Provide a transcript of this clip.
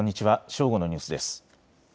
正午のニュースです。